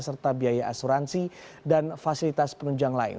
serta biaya asuransi dan fasilitas penunjang lain